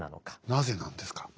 なぜなんですか？